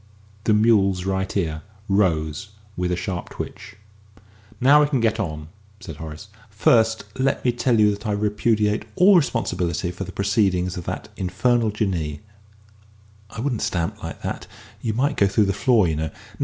The mule's right ear rose with a sharp twitch. "Now we can get on," said Horace. "First let me tell you that I repudiate all responsibility for the proceedings of that infernal Jinnee.... I wouldn't stamp like that you might go through the floor, you know....